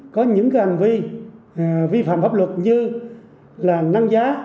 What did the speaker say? có những hành vi vi phạm hợp luật như là năng giá